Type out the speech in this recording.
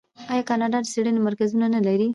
آیا کاناډا د څیړنې مرکزونه نلري؟